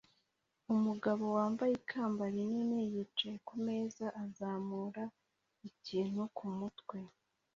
Umugabo wambaye ikamba rinini yicaye kumeza azamura ikintu kumutwe